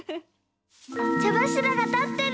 ちゃばしらがたってる！